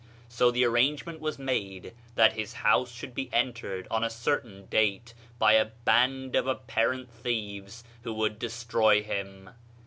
So the arrangement was made that his house should be entered on a certain date by a band of apparent thieves who would de stroy him.